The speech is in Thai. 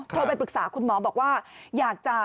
โทรไปปรึกษาคุณหมอบอกว่า